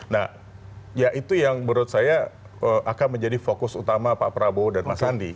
nah ya itu yang menurut saya akan menjadi fokus utama pak prabowo dan mas sandi